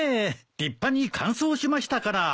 立派に完走しましたから。